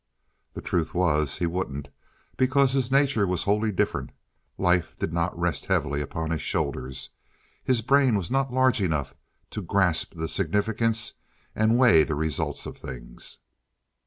The truth was, he wouldn't, because his nature was wholly different. Life did not rest heavily upon his shoulders. His brain was not large enough to grasp the significance and weigh the results of things.